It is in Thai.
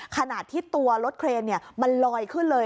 ขณะที่ตัวรถเครนมันลอยขึ้นเลย